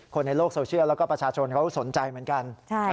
คนในโลกโซเชียลแล้วก็ประชาชนเขาสนใจเหมือนกัน